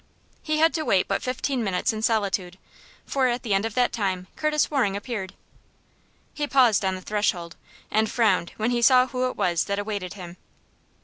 He had to wait but fifteen minutes in solitude, for at the end of that time Curtis Waring appeared. He paused on the threshold, and frowned when he saw who it was that awaited him.